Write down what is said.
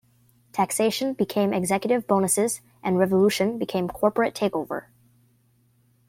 Taxation became Executive Bonuses, and Revolution became Corporate Takeover.